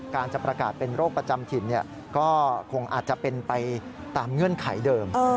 จะประกาศเป็นโรคประจำถิ่นก็คงอาจจะเป็นไปตามเงื่อนไขเดิม